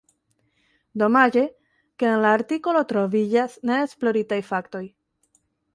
Domaĝe, ke en la artikolo troviĝas neesploritaj faktoj.